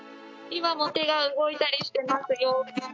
今も手が動いたりしてますよ。